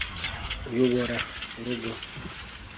uyobora urugo